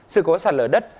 sự cố sạt lở đất